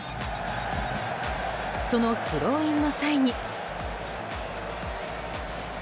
そのスローインの際に。